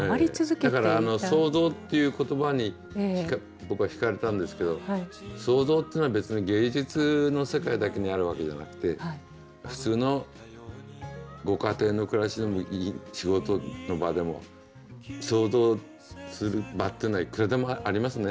だから「創造」っていう言葉に僕は引かれたんですけど創造っていうのは別に芸術の世界だけにあるわけじゃなくて普通のご家庭の暮らしでも仕事の場でも創造する場っていうのはいくらでもありますね